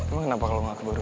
emang kenapa kalo gak keburu